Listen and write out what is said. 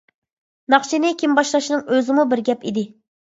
ناخشىنى كىم باشلاشنىڭ ئۆزىمۇ بىر گەپ ئىدى.